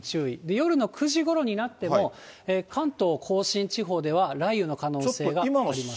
夜の９時ごろになっても、関東甲信地方では雷雨の可能性があります。